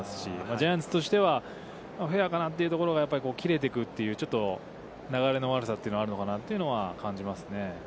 ジャイアンツとしてはフェアかなというところが切れていくという流れの悪さがあるのかなというのは感じますね。